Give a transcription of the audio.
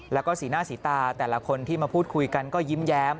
และศีลสีตาแต่ละคนที่มาพูดคุยกันก็ยิ้มแย้ม